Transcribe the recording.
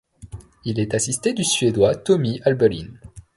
Il est assisté du Suédois Tommy Albelin.